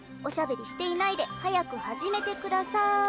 おしゃべりしていないで早く始めてください。